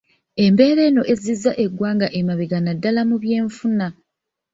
Embeera eno ezizza eggwanga emabega naddala mu byenfuna.